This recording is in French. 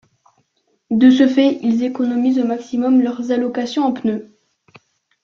De ce fait, ils économisent au maximum leurs allocations en pneus.